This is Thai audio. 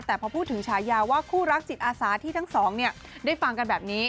แต่พอพูดถึงฉายาว่าคู่รักจิตอาสาที่ทั้งสองได้ฟังกันแบบนี้